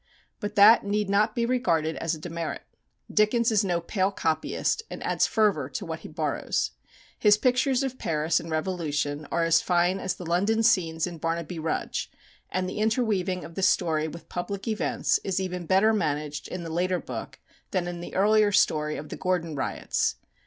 But that need not be regarded as a demerit. Dickens is no pale copyist, and adds fervour to what he borrows. His pictures of Paris in revolution are as fine as the London scenes in "Barnaby Rudge;" and the interweaving of the story with public events is even better managed in the later book than in the earlier story of the Gordon riots.